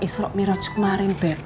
isrok miracukmarin beb